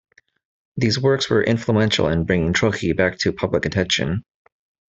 These works were influential in bringing Trocchi back to public attention.